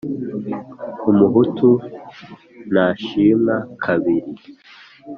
Umuhutu ntashimwa kabili.